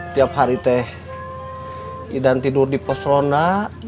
tiap hari idan tidur di pos ronda